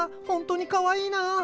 ほんとにかわいいな。